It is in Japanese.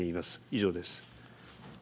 以上です。